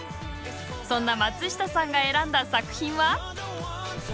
そんな松下さんが選んだ作品は？